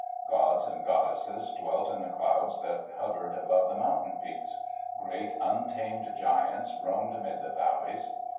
Gods and goddesses dwelt in the clouds that hovered about the mountain peaks. Great untamed giants roamed amid the valleys.